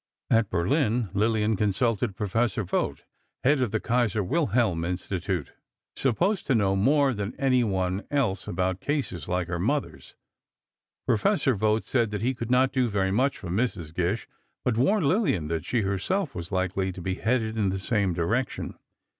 At Berlin Lillian consulted Professor Vogt, head of the Kaiser Wilhelm Institute, supposed to know more than anyone else about cases like her mother's. Professor Vogt said he could not do very much for Mrs. Gish, but warned Lillian that she herself was likely to be headed in the same direction.